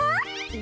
え？